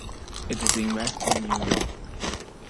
It is in Western New York.